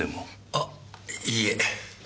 あっいいえ。